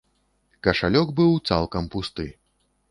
Кашалёк быў цалкам пусты.